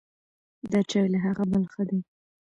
دا چای له هغه بل ښه دی.